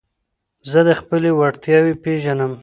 زه خپلي وړتیاوي پېژنم.